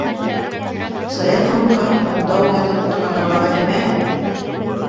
Саяф рюмкаһын ҡулында уйнатып ултырған арала Ғәлимә